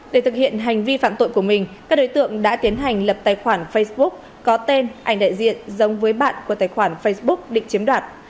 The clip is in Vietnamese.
để thực hiện hành vi phạm tội của mình các đối tượng đã tiến hành lập tài khoản facebook có tên ảnh đại diện giống với bạn của tài khoản facebook định chiếm đoạt